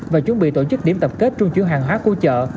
và chuẩn bị tổ chức điểm tập kết trung chuyển hàng hóa của chợ